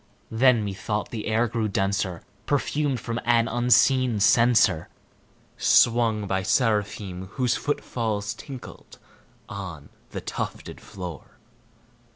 Then, methought, the air grew denser, perfumed from an unseen censer Swung by seraphim whose foot falls tinkled on the tufted floor.